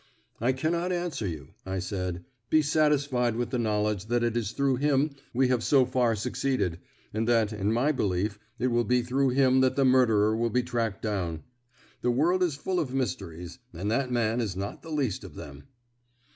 "I cannot answer you," I said. "Be satisfied with the knowledge that it is through him we have so far succeeded, and that, in my belief, it will be through him that the murderer will be tracked down. The world is full of mysteries, and that man is not the least of them."